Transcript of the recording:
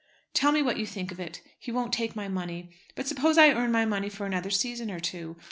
Tell me what you think of it. He won't take my money. But suppose I earn my money for another season or two?